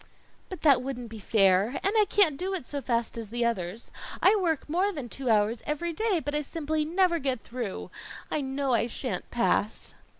"But that wouldn't be fair, and I can't do it so fast as the others. I work more than two hours every day, but I simply never get through. I know I shan't pass."